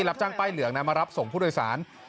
รับจ้างป้ายเหลืองนะมารับส่งผู้โดยสาร